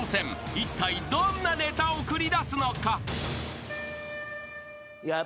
いったいどんなネタを繰り出すのか？］